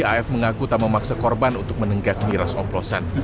af mengaku tak memaksa korban untuk menenggak miras oplosan